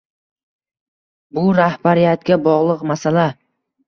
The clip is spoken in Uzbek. Bu rahbariyatga bog‘liq masala.